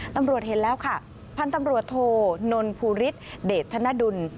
ตำรวจเห็นแล้วค่ะพันธุ์ตำรวจโทนนภูริสเดชธนดุล